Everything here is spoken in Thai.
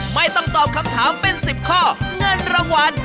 ไม่ต้องตอบคำถามเป็น๑๐ข้อเงินรางวัล